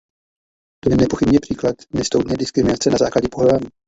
To je nepochybně případ nestoudné diskriminace na základě pohlaví.